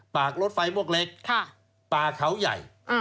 รถไฟพวกเล็กป่าเขาใหญ่